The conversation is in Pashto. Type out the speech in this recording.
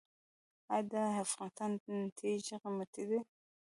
آیا د افغانستان تیږې قیمتي دي؟